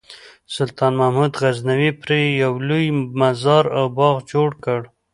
سلطان محمود غزنوي پرې یو لوی مزار او باغ جوړ کړ.